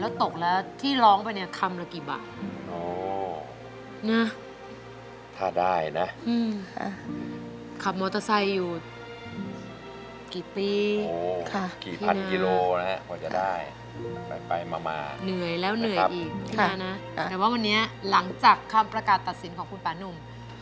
หลังจากข้างประกาศตัดขินของพานุม